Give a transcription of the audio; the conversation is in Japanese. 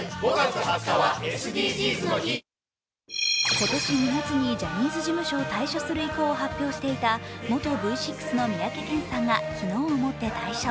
今年２月にジャニーズ事務所を退所する意向を発表していた元Ｖ６の三宅健さんが昨日をもって退所。